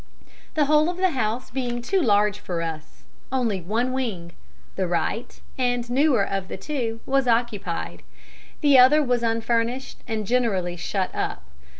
"The whole of the house being too large for us, only one wing the right and newer of the two was occupied, the other was unfurnished, and generally shut up.